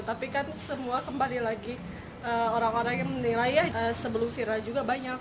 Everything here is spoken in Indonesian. tapi kan semua kembali lagi orang orang yang menilai ya sebelum viral juga banyak